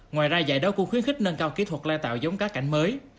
ngoài ra giải đấu cũng khuyến khích nâng cao kỹ thuật lai tạo giống cá cảnh mới